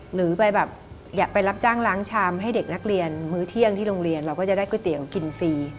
หรือไปแบบอยากไปรับจ้างล้างชามให้เด็กนักเรียนมื้อเที่ยงที่โรงเรียนเราก็จะได้ก๋วยเตี๋ยวกินฟรี